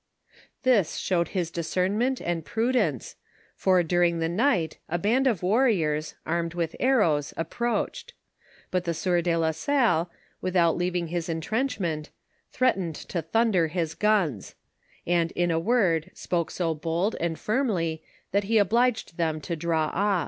This showed his discernment and prudence, for during the night a band of warriors, armed with arrows, approached ; but the sieur de la Salle, without leaving his intrenchment, threatened to thunder his guns; and in a word spoke so bold and fiimly, that he obliged them to draw off.